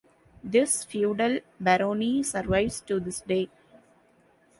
This Feudal Barony survives to this day.